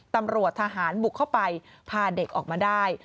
ตำรวจทหารบุกเข้าไปพาเด็กออกมาได้